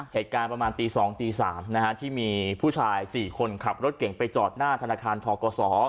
เหตุการณ์ประมาณตี๒ตี๓ที่มีผู้ชาย๔คนขับรถเก่งไปจอดหน้าธนาคารทกศ